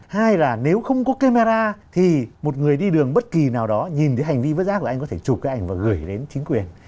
hai là nếu không có camera thì một người đi đường bất kỳ nào đó nhìn thấy hành vi vứt rác của anh có thể chụp cái ảnh và gửi đến chính quyền